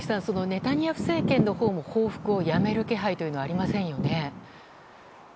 ネタニヤフ政権のほうも報復をやめる気配というのはありませんよね。